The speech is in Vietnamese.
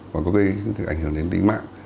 và có gây ảnh hưởng đến tính mạng